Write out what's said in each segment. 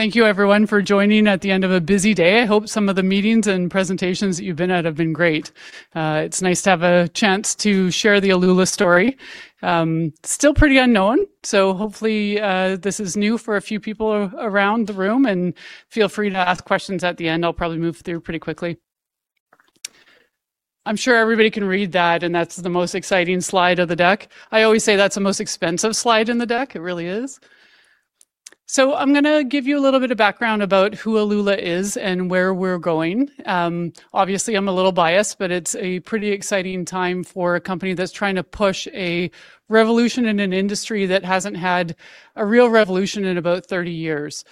Thank you everyone for joining at the end of a busy day. I hope some of the meetings and presentations that you've been at have been great. It's nice to have a chance to share the Aluula story. Still pretty unknown, hopefully this is new for a few people around the room and feel free to ask questions at the end. I'll probably move through pretty quickly. I'm sure everybody can read that, and that's the most exciting slide of the deck. I always say that's the most expensive slide in the deck. It really is. I'm going to give you a little bit of background about who Aluula is and where we're going. Obviously, I'm a little biased, but it's a pretty exciting time for a company that's trying to push a revolution in an industry that hasn't had a real revolution in about 30 years.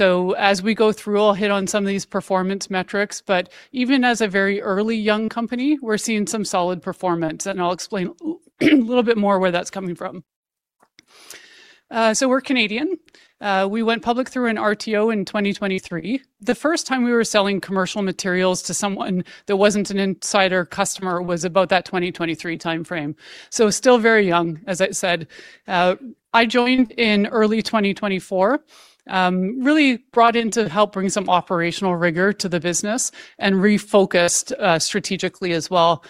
As we go through, I'll hit on some of these performance metrics, but even as a very early young company, we're seeing some solid performance and I'll explain a little bit more where that's coming from. We're Canadian. We went public through an RTO in 2023. The first time we were selling commercial materials to someone that wasn't an insider customer was about that 2023 timeframe. Still very young, as I said. I joined in early 2024. Really brought in to help bring some operational rigor to the business and refocused strategically as well.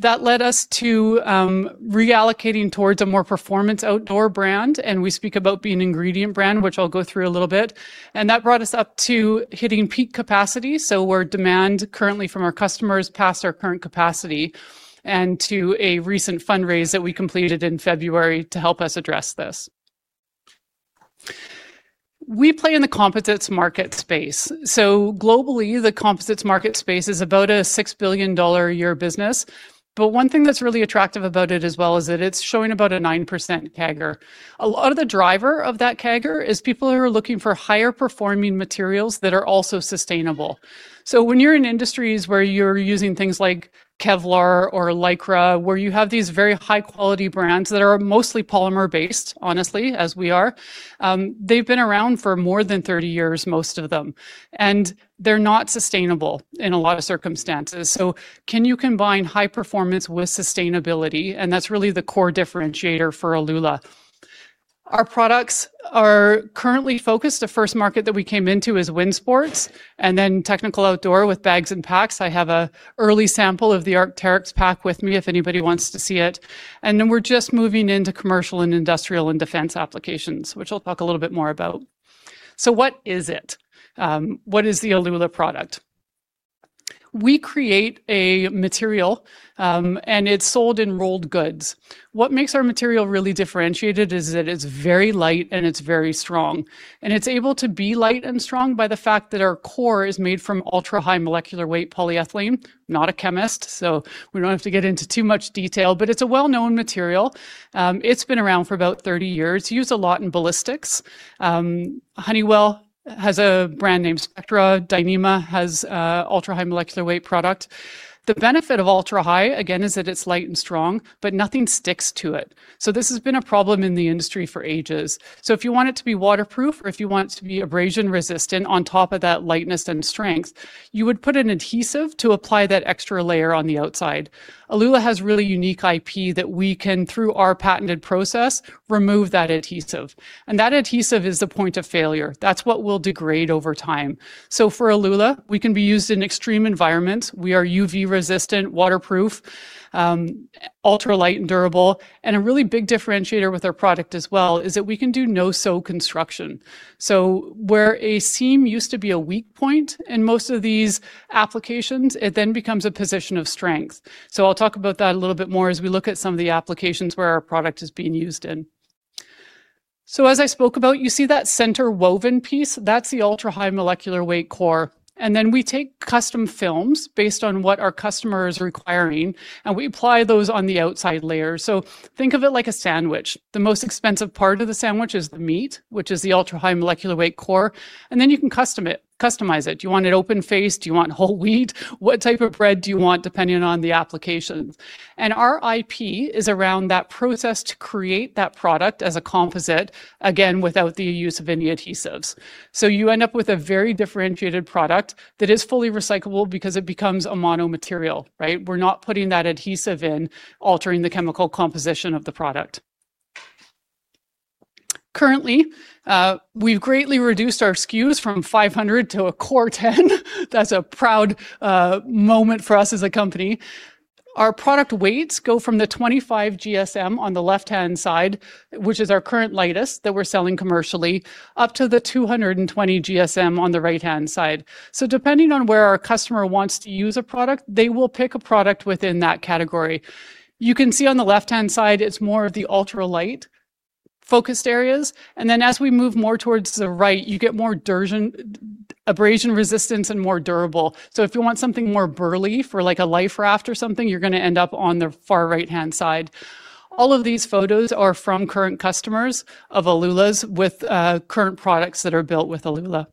That led us to reallocating towards a more performance outdoor brand, we speak about being an ingredient brand, which I'll go through a little bit. That brought us up to hitting peak capacity, so we're demand currently from our customers past our current capacity and to a recent fundraise that we completed in February to help us address this. We play in the composites market space. Globally, the composites market space is about a 6 billion dollar a year business. One thing that's really attractive about it as well is that it's showing about a 9% CAGR. A lot of the driver of that CAGR is people who are looking for higher performing materials that are also sustainable. When you're in industries where you're using things like Kevlar or Lycra, where you have these very high-quality brands that are mostly polymer based, honestly, as we are. They've been around for more than 30 years, most of them. They're not sustainable in a lot of circumstances. Can you combine high performance with sustainability? That's really the core differentiator for Aluula. Our products are currently focused, the first market that we came into is wind sports and then technical outdoor with bags and packs. I have an early sample of the Arc'teryx pack with me if anybody wants to see it. Then we're just moving into commercial and industrial and defense applications, which I'll talk a little bit more about. What is it? What is the Aluula product? We create a material, it's sold in rolled goods. What makes our material really differentiated is that it's very light and it's very strong, and it's able to be light and strong by the fact that our core is made from ultra-high molecular weight polyethylene. Not a chemist, we don't have to get into too much detail, but it's a well-known material. It's been around for about 30 years, used a lot in ballistics. Honeywell has a brand named Spectra. Dyneema has an ultra-high molecular weight product. The benefit of ultra-high, again, is that it's light and strong, but nothing sticks to it. This has been a problem in the industry for ages. If you want it to be waterproof or if you want it to be abrasion resistant on top of that lightness and strength, you would put an adhesive to apply that extra layer on the outside. Aluula has really unique IP that we can, through our patented process, remove that adhesive. That adhesive is the point of failure. That's what will degrade over time. For Aluula, we can be used in extreme environments. We are UV resistant, waterproof, ultra-light and durable. A really big differentiator with our product as well is that we can do no-sew construction. Where a seam used to be a weak point in most of these applications, it then becomes a position of strength. I'll talk about that a little bit more as we look at some of the applications where our product is being used in. As I spoke about, you see that center woven piece? That's the ultra-high molecular weight core, then we take custom films based on what our customer is requiring, and we apply those on the outside layer. Think of it like a sandwich. The most expensive part of the sandwich is the meat, which is the ultra-high molecular weight core, then you can customize it. Do you want it open face? Do you want whole wheat? What type of bread do you want, depending on the application? Our IP is around that process to create that product as a composite, again, without the use of any adhesives. You end up with a very differentiated product that is fully recyclable because it becomes a mono material, right? We're not putting that adhesive in altering the chemical composition of the product. Currently, we've greatly reduced our SKUs from 500 to a core 10. That's a proud moment for us as a company. Our product weights go from the 25 GSM on the left-hand side, which is our current lightest that we're selling commercially, up to the 220 GSM on the right-hand side. Depending on where our customer wants to use a product, they will pick a product within that category. You can see on the left-hand side, it's more of the ultra-light focused areas, then as we move more towards the right, you get more abrasion resistance and more durable. If you want something more burly for a life raft or something, you're going to end up on the far right-hand side. All of these photos are from current customers of Aluula's with current products that are built with Aluula.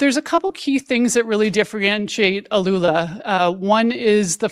There's a couple key things that really differentiate Aluula. One is the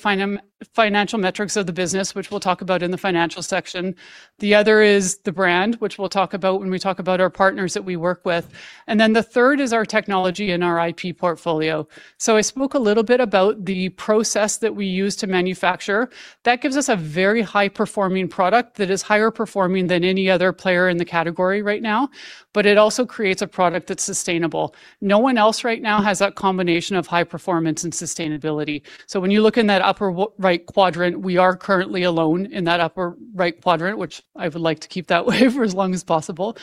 financial metrics of the business, which we'll talk about in the financial section. The other is the brand, which we'll talk about when we talk about our partners that we work with. Then the third is our technology and our IP portfolio. I spoke a little bit about the process that we use to manufacture. That gives us a very high-performing product that is higher performing than any other player in the category right now, but it also creates a product that's sustainable. No one else right now has that combination of high performance and sustainability. When you look in that upper right quadrant, we are currently alone in that upper right quadrant, which I would like to keep that way for as long as possible.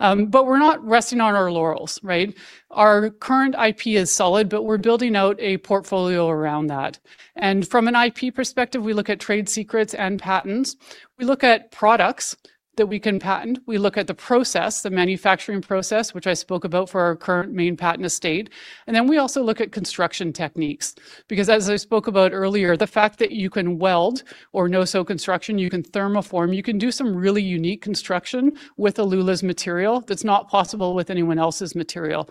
We're not resting on our laurels, right? Our current IP is solid, but we're building out a portfolio around that. From an IP perspective, we look at trade secrets and patents. We look at products that we can patent. We look at the process, the manufacturing process, which I spoke about for our current main patent estate. We also look at construction techniques, because as I spoke about earlier, the fact that you can weld or no-sew construction, you can thermoform, you can do some really unique construction with Aluula's material that's not possible with anyone else's material.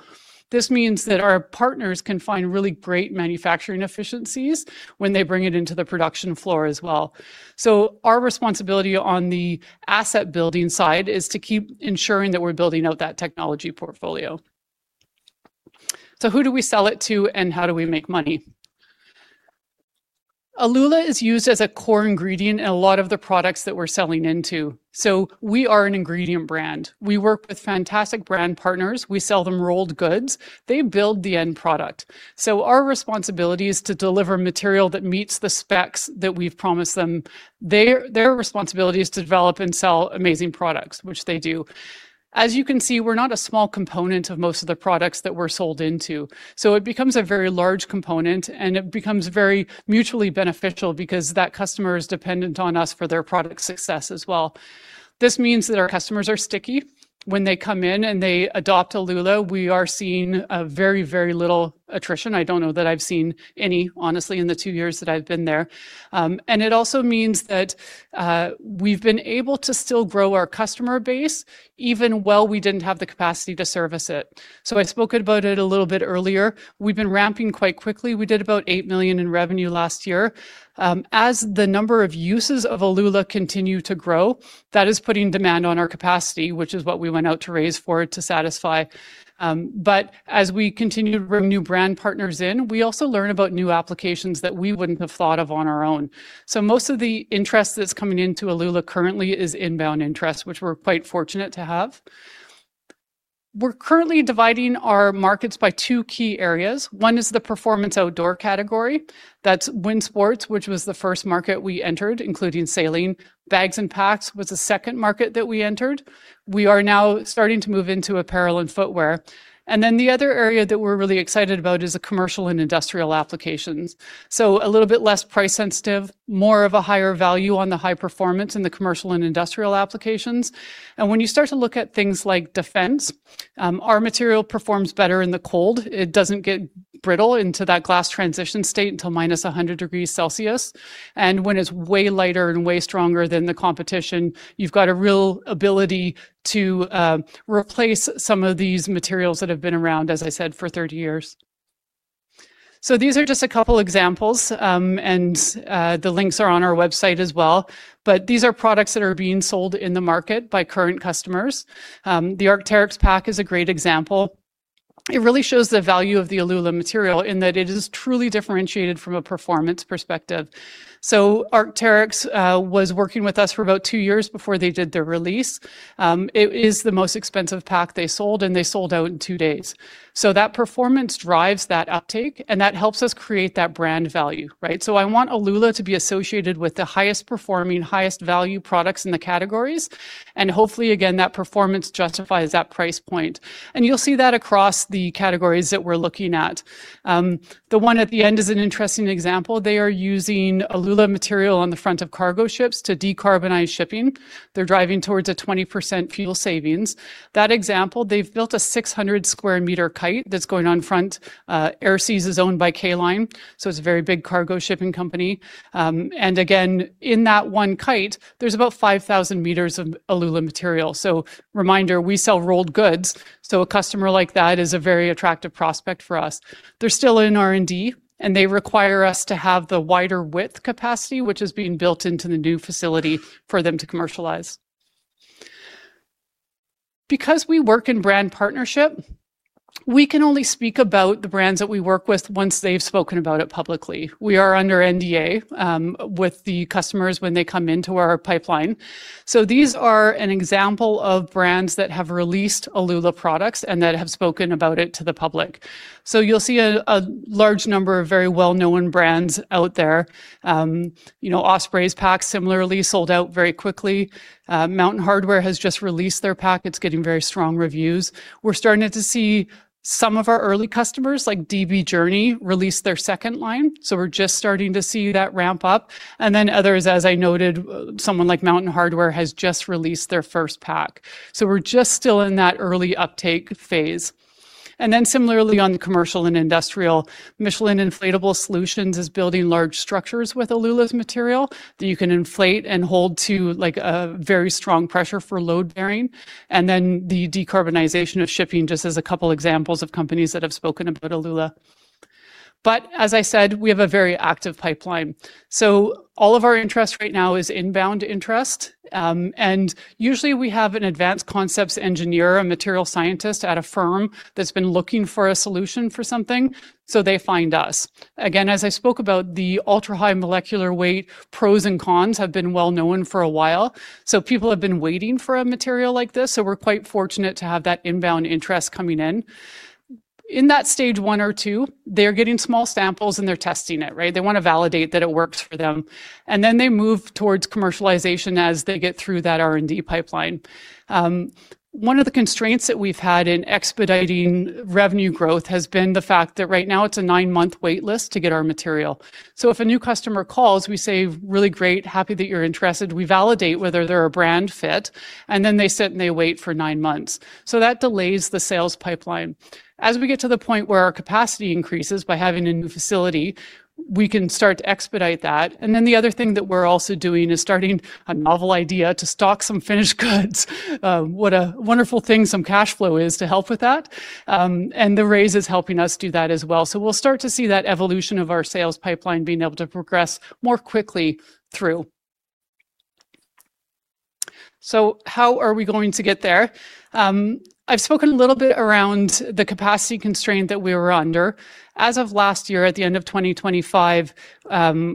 This means that our partners can find really great manufacturing efficiencies when they bring it into the production floor as well. Our responsibility on the asset building side is to keep ensuring that we're building out that technology portfolio. Who do we sell it to and how do we make money? Aluula is used as a core ingredient in a lot of the products that we're selling into. We are an ingredient brand. We work with fantastic brand partners. We sell them rolled goods. They build the end product. Our responsibility is to deliver material that meets the specs that we've promised them. Their responsibility is to develop and sell amazing products, which they do. As you can see, we're not a small component of most of the products that we're sold into, so it becomes a very large component, and it becomes very mutually beneficial because that customer is dependent on us for their product success as well. This means that our customers are sticky. When they come in and they adopt Aluula, we are seeing very little attrition. I don't know that I've seen any, honestly, in the two years that I've been there. It also means that we've been able to still grow our customer base, even while we didn't have the capacity to service it. I spoke about it a little bit earlier. We've been ramping quite quickly. We did about 8 million in revenue last year. As the number of uses of Aluula continue to grow, that is putting demand on our capacity, which is what we went out to raise for to satisfy. As we continue to bring new brand partners in, we also learn about new applications that we wouldn't have thought of on our own. Most of the interest that's coming into Aluula currently is inbound interest, which we're quite fortunate to have. We're currently dividing our markets by two key areas. One is the performance outdoor category. That's wind sports, which was the first market we entered, including sailing. Bags and packs was the second market that we entered. We are now starting to move into apparel and footwear. The other area that we're really excited about is the commercial and industrial applications. A little bit less price sensitive, more of a higher value on the high performance in the commercial and industrial applications. When you start to look at things like defense, our material performs better in the cold. It doesn't get brittle into that glass transition state until -100 degrees Celsius. When it's way lighter and way stronger than the competition, you've got a real ability to replace some of these materials that have been around, as I said, for 30 years. These are just a couple examples, and the links are on our website as well. These are products that are being sold in the market by current customers. The Arc'teryx pack is a great example. It really shows the value of the Aluula material in that it is truly differentiated from a performance perspective. Arc'teryx was working with us for about two years before they did their release. It is the most expensive pack they sold, and they sold out in two days. That performance drives that uptake, and that helps us create that brand value, right? I want Aluula to be associated with the highest performing, highest value products in the categories. Hopefully, again, that performance justifies that price point. You'll see that across the categories that we're looking at. The one at the end is an interesting example. They are using Aluula material on the front of cargo ships to decarbonize shipping. They're driving towards a 20% fuel savings. That example, they've built a 600 square meter kite that's going on front. Airseas is owned by K Line, it's a very big cargo shipping company. Again, in that one kite, there's about 5,000 meters of Aluula material. Reminder, we sell rolled goods, a customer like that is a very attractive prospect for us. They're still in R&D, and they require us to have the wider width capacity, which is being built into the new facility for them to commercialize. Because we work in brand partnership, we can only speak about the brands that we work with once they've spoken about it publicly. We are under NDA with the customers when they come into our pipeline. These are an example of brands that have released Aluula products and that have spoken about it to the public. You'll see a large number of very well-known brands out there. Osprey's pack similarly sold out very quickly. Mountain Hardwear has just released their pack. It's getting very strong reviews. We're starting to see some of our early customers, like Db Journey, release their second line. We're just starting to see that ramp up. Others, as I noted, someone like Mountain Hardwear has just released their first pack. We're just still in that early uptake phase. Similarly on the commercial and industrial, Michelin Inflatable Solutions is building large structures with Aluula's material that you can inflate and hold to a very strong pressure for load bearing. The decarbonization of shipping, just as a couple examples of companies that have spoken about Aluula. As I said, we have a very active pipeline. All of our interest right now is inbound interest. Usually we have an advanced concepts engineer, a material scientist at a firm that's been looking for a solution for something. They find us. As I spoke about the ultra-high molecular weight pros and cons have been well known for a while, people have been waiting for a material like this. We're quite fortunate to have that inbound interest coming in. In that stage one or two, they're getting small samples and they're testing it, right? They want to validate that it works for them, they move towards commercialization as they get through that R&D pipeline. One of the constraints that we've had in expediting revenue growth has been the fact that right now it's a nine-month wait list to get our material. If a new customer calls, we say, "Really great, happy that you're interested." We validate whether they're a brand fit, they sit and they wait for nine months. That delays the sales pipeline. We get to the point where our capacity increases by having a new facility, we can start to expedite that. The other thing that we're also doing is starting a novel idea to stock some finished goods. What a wonderful thing some cash flow is to help with that. The raise is helping us do that as well. We'll start to see that evolution of our sales pipeline being able to progress more quickly through. How are we going to get there? I've spoken a little bit around the capacity constraint that we were under. As of last year at the end of 2025,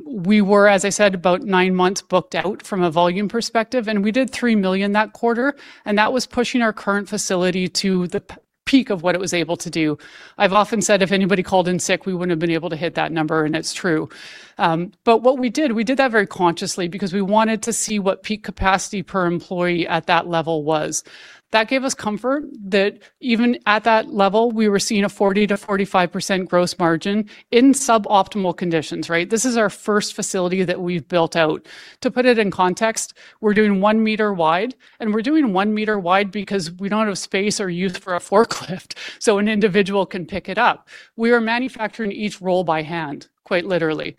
we were, as I said, about nine months booked out from a volume perspective, we did 3 million that quarter, that was pushing our current facility to the peak of what it was able to do. I've often said if anybody called in sick, we wouldn't have been able to hit that number, and it's true. What we did, we did that very consciously because we wanted to see what peak capacity per employee at that level was. That gave us comfort that even at that level, we were seeing a 40%-45% gross margin in suboptimal conditions, right? This is our first facility that we've built out. To put it in context, we're doing one meter wide, we're doing one meter wide because we don't have space or youth for a forklift, an individual can pick it up. We are manufacturing each roll by hand, quite literally.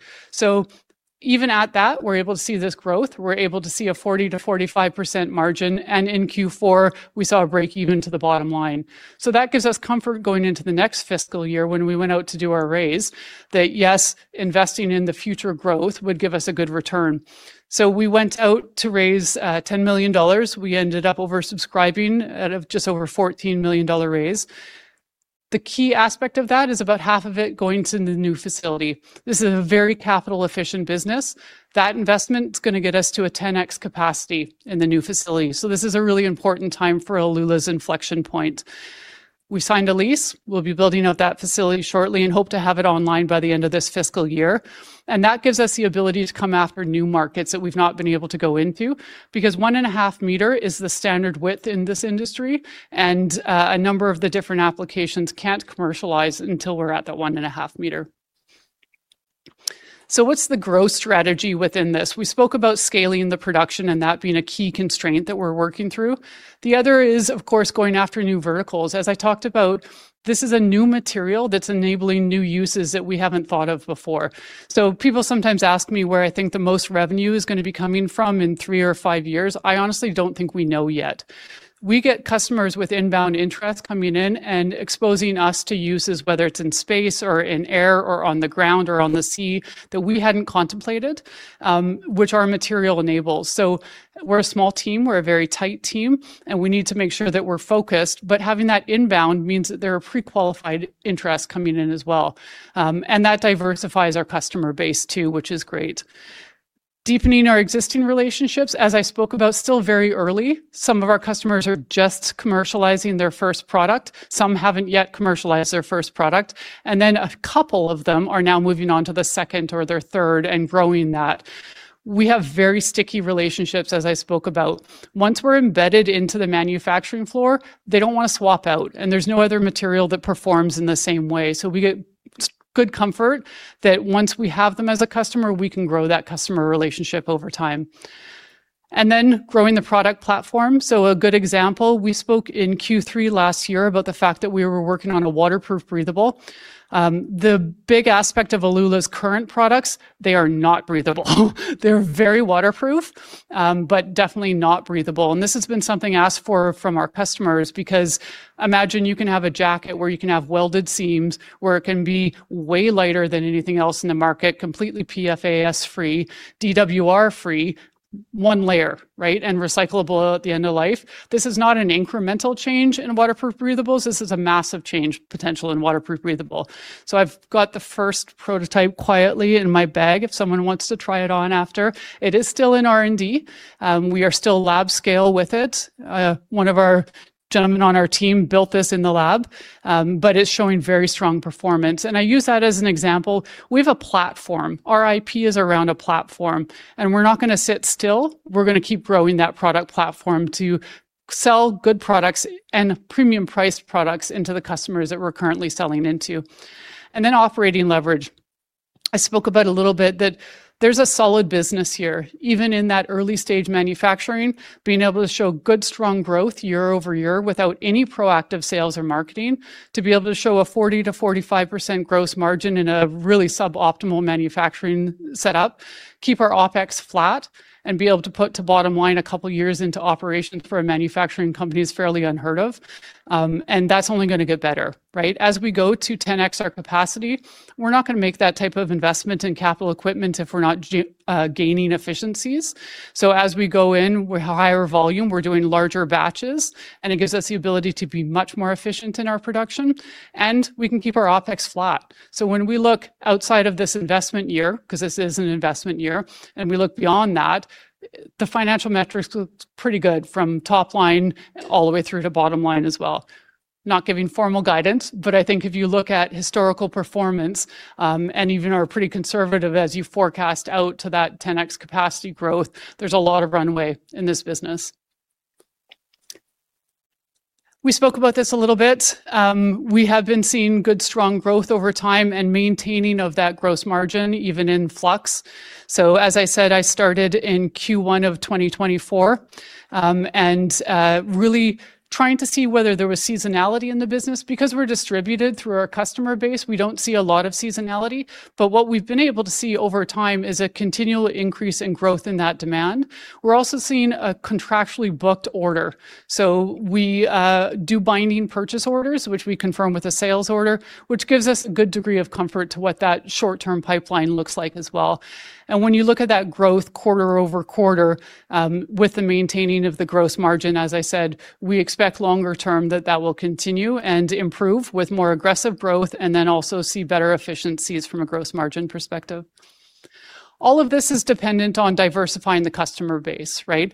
Even at that, we're able to see this growth. We're able to see a 40%-45% margin. In Q4, we saw a break even to the bottom line. That gives us comfort going into the next fiscal year when we went out to do our raise, that, yes, investing in the future growth would give us a good return. We went out to raise 10 million dollars. We ended up oversubscribing at just over a 14 million dollar raise. The key aspect of that is about half of it going to the new facility. This is a very capital-efficient business. That investment's going to get us to a 10x capacity in the new facility. This is a really important time for Aluula's inflection point. We signed a lease. We'll be building out that facility shortly and hope to have it online by the end of this fiscal year. That gives us the ability to come after new markets that we've not been able to go into, because 1.5 meter is the standard width in this industry, and a number of the different applications can't commercialize until we're at that 1.5 meter. What's the growth strategy within this? We spoke about scaling the production and that being a key constraint that we're working through. The other is, of course, going after new verticals. As I talked about, this is a new material that's enabling new uses that we haven't thought of before. People sometimes ask me where I think the most revenue is going to be coming from in three or five years. I honestly don't think we know yet. We get customers with inbound interest coming in and exposing us to uses, whether it's in space or in air, or on the ground, or on the sea, that we hadn't contemplated, which our material enables. We're a small team, we're a very tight team, and we need to make sure that we're focused. But having that inbound means that there are pre-qualified interests coming in as well. That diversifies our customer base too, which is great. Deepening our existing relationships, as I spoke about, still very early. Some of our customers are just commercializing their first product. Some haven't yet commercialized their first product. Then a couple of them are now moving on to the second or their third and growing that. We have very sticky relationships, as I spoke about. Once we're embedded into the manufacturing floor, they don't want to swap out, and there's no other material that performs in the same way. We get good comfort that once we have them as a customer, we can grow that customer relationship over time. Then growing the product platform. A good example, we spoke in Q3 last year about the fact that we were working on a waterproof breathable. The big aspect of Aluula's current products, they are not breathable. They're very waterproof, but definitely not breathable. This has been something asked for from our customers because imagine you can have a jacket where you can have welded seams, where it can be way lighter than anything else in the market, completely PFAS-free, DWR-free, one layer, right? And recyclable at the end of life. This is not an incremental change in waterproof breathables. This is a massive change potential in waterproof breathable. I've got the first prototype quietly in my bag if someone wants to try it on after. It is still in R&D. We are still lab scale with it. One of our gentlemen on our team built this in the lab. But it's showing very strong performance. I use that as an example. We have a platform. Our IP is around a platform, and we're not going to sit still. We're going to keep growing that product platform to sell good products and premium-priced products into the customers that we're currently selling into. Operating leverage. I spoke about a little bit that there's a solid business here. Even in that early stage manufacturing, being able to show good, strong growth year-over-year without any proactive sales or marketing, to be able to show a 40%-45% gross margin in a really suboptimal manufacturing setup, keep our OpEx flat, and be able to put to bottom line a couple of years into operations for a manufacturing company is fairly unheard of. That's only going to get better, right? As we go to 10x our capacity, we're not going to make that type of investment in capital equipment if we're not gaining efficiencies. As we go in with higher volume, we're doing larger batches, and it gives us the ability to be much more efficient in our production, and we can keep our OpEx flat. When we look outside of this investment year, because this is an investment year, and we look beyond that, the financial metrics look pretty good from top line all the way through to bottom line as well. Not giving formal guidance, but I think if you look at historical performance, and even are pretty conservative as you forecast out to that 10x capacity growth, there's a lot of runway in this business. We spoke about this a little bit. We have been seeing good, strong growth over time and maintaining of that gross margin even in flux. As I said, I started in Q1 2024, and really trying to see whether there was seasonality in the business. Because we're distributed through our customer base, we don't see a lot of seasonality, but what we've been able to see over time is a continual increase in growth in that demand. We're also seeing a contractually booked order. We do binding purchase orders, which we confirm with a sales order, which gives us a good degree of comfort to what that short-term pipeline looks like as well. When you look at that growth quarter-over-quarter, with the maintaining of the gross margin, as I said, we expect longer term that that will continue and improve with more aggressive growth and then also see better efficiencies from a gross margin perspective. All of this is dependent on diversifying the customer base, right?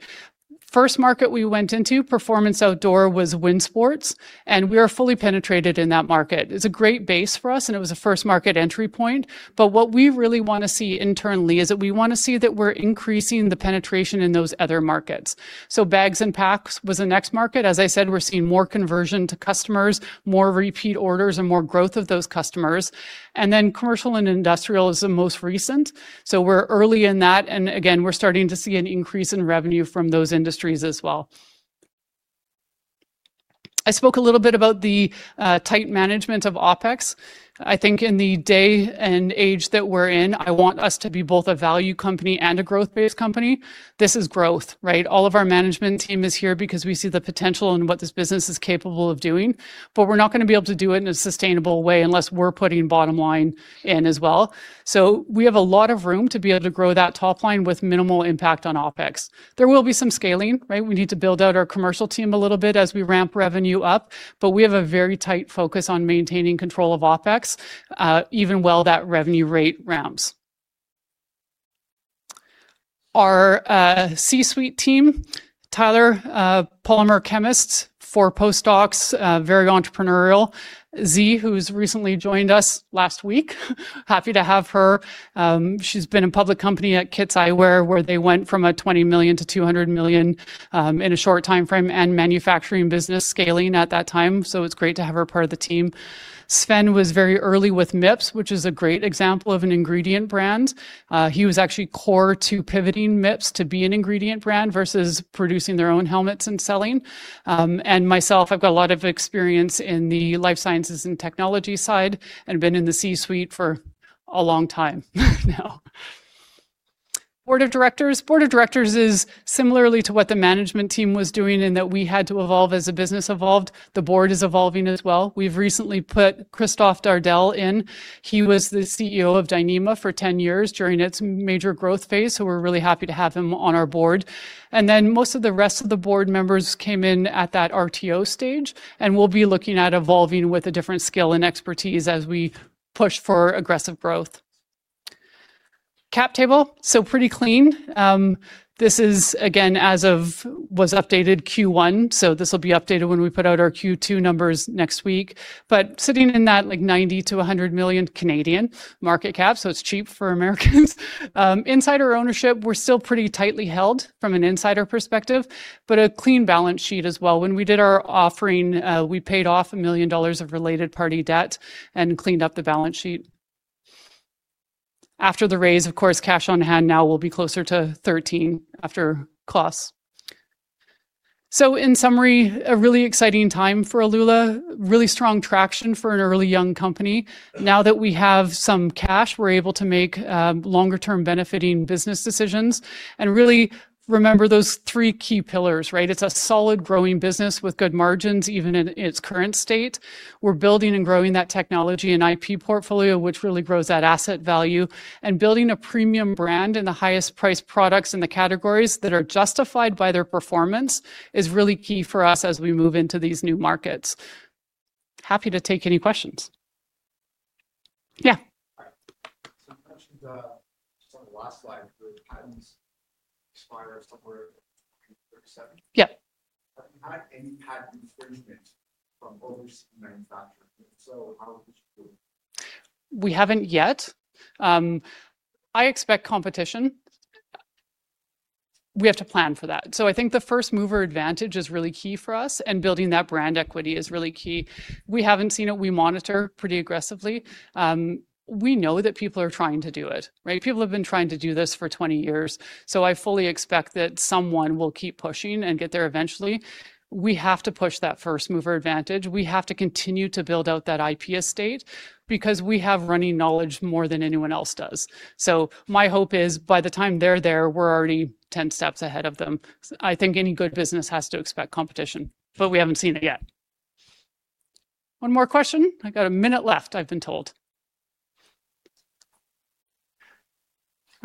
First market we went into, performance outdoor, was wind sports, and we are fully penetrated in that market. It's a great base for us, and it was a first market entry point, but what we really want to see internally is that we want to see that we're increasing the penetration in those other markets. Bags and packs was the next market. As I said, we're seeing more conversion to customers, more repeat orders, and more growth of those customers. Commercial and industrial is the most recent, so we're early in that, and again, we're starting to see an increase in revenue from those industries as well. I spoke a little bit about the tight management of OpEx. I think in the day and age that we're in, I want us to be both a value company and a growth-based company. This is growth, right? All of our management team is here because we see the potential in what this business is capable of doing, but we're not going to be able to do it in a sustainable way unless we're putting bottom line in as well. We have a lot of room to be able to grow that top line with minimal impact on OpEx. There will be some scaling, right? We need to build out our commercial team a little bit as we ramp revenue up, but we have a very tight focus on maintaining control of OpEx, even while that revenue rate ramps. Our C-suite team, Tyler, polymer chemist, four post-docs, very entrepreneurial. Zhe, who's recently joined us last week. Happy to have her. She's been in public company at KITS Eyecare, where they went from a 20 million to 200 million in a short timeframe, and manufacturing business scaling at that time, so it's great to have her part of the team. Sven was very early with MIPS, which is a great example of an ingredient brand. He was actually core to pivoting MIPS to be an ingredient brand versus producing their own helmets and selling. Myself, I've got a lot of experience in the life sciences and technology side and been in the C-suite for a long time now. Board of directors. Board of directors is similarly to what the management team was doing in that we had to evolve as the business evolved. The board is evolving as well. We've recently put Christophe Dardel in. He was the CEO of Dyneema for 10 years during its major growth phase, so we're really happy to have him on our board. Most of the rest of the board members came in at that RTO stage, and we'll be looking at evolving with a different skill and expertise as we push for aggressive growth. Cap table. Pretty clean. This is, again, as of was updated Q1, this will be updated when we put out our Q2 numbers next week. Sitting in that like 90 million-100 million Canadian market cap, it's cheap for Americans. Insider ownership, we're still pretty tightly held from an insider perspective, but a clean balance sheet as well. When we did our offering, we paid off 1 million dollars of related party debt and cleaned up the balance sheet. After the raise, of course, cash on hand now will be closer to 13 after costs. In summary, a really exciting time for Aluula. Really strong traction for an early young company. Now that we have some cash, we're able to make longer-term benefiting business decisions. Really remember those three key pillars, right? It's a solid growing business with good margins, even in its current state. We're building and growing that technology and IP portfolio, which really grows that asset value. Building a premium brand in the highest priced products in the categories that are justified by their performance is really key for us as we move into these new markets. Happy to take any questions. Yeah. All right. You mentioned on the last slide the Patents expire somewhere in 2037? Yeah. Have you had any patent infringement from overseas manufacturers? If so, how have you dealt with it? We haven't yet. I expect competition. We have to plan for that. I think the first-mover advantage is really key for us, and building that brand equity is really key. We haven't seen it. We monitor pretty aggressively. We know that people are trying to do it, right? People have been trying to do this for 20 years, I fully expect that someone will keep pushing and get there eventually. We have to push that first-mover advantage. We have to continue to build out that IP estate because we have running knowledge more than anyone else does. My hope is by the time they're there, we're already 10 steps ahead of them. I think any good business has to expect competition, we haven't seen it yet. One more question? I got a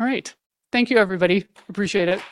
minute left, I've been told. All right. Thank you, everybody. Appreciate it.